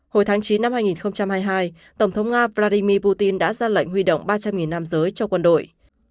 hồi tháng chín năm hai nghìn hai mươi hai tổng thống nga vladimir putin đã ra lệnh huy động ba trăm linh nam giới cho quân đội